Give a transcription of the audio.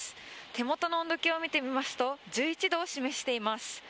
手元の温度計を見てみますと１１度を示しています。